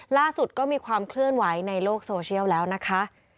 ล่าสุดก็มีความเคลื่อนไหวในโลกโซเชียลแล้วนะคะ